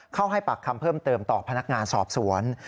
ให้ปากคำเพิ่มเติมต่อพนักงานสอบสวน